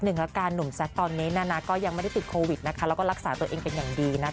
ลุ้นทุกซีซันเลยไหมคะอย่างนี้